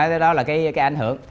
đấy đó là cái ảnh hưởng